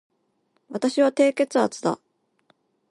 私は低血圧だ